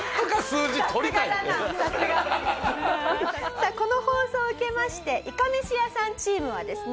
さあこの放送を受けましていかめし屋さんチームはですね